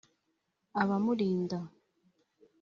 abamurinda